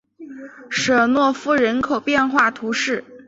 舍诺夫人口变化图示